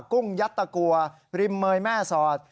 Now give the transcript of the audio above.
กุ้งยัดตะกัวริมเมยแม่สอด